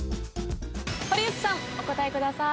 堀内さんお答えください。